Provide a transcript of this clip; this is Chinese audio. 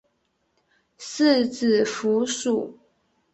四指蝠属。